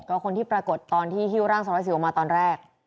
ก็คนที่ปรากฏตอนที่หิ้วร่างสารวัสสิวออกมาตอนแรก